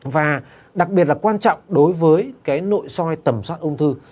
và đặc biệt là quan trọng đối với cái nội soi tẩm soát ung thư